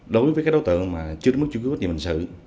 đối với các đối tượng mà chưa đến mức chủ quyết bất nhiên bình sự